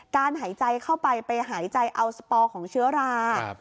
หายใจเข้าไปไปหายใจเอาสปอร์ของเชื้อรา